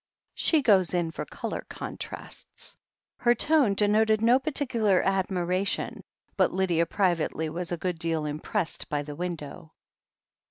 "She goes in for colour contrasts." Her tone denoted no particular admiration, but Lydia privately was a good deal impressed by the window.